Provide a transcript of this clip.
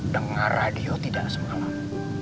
dengar radio tidak semalam